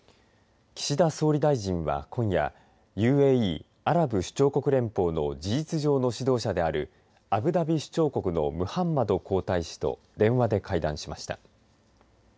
岸田総理大臣は今夜ＵＡＥ、アラブ首長国連邦の事実上の指導者であるアブダビ首長国のムハンマド皇太子と電話で会談しました。